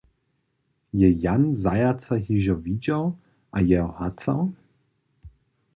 Je Jan zajaca hižo widźał a jeho hacał?